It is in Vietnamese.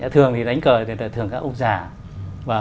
thường thì đánh cờ thường là ông già